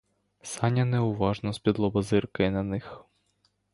Саня неуважно спідлоба зиркає на них.